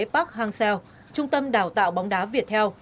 park hang seo trung tâm đào tạo bóng đá việt theo